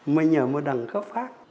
mình ở một đẳng cấp khác